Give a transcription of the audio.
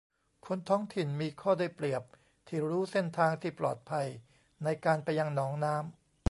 คนท้องถิ่นมีข้อได้เปรียบที่รู้เส้นทางที่ปลอดภัยในการไปยังหนองน้ำ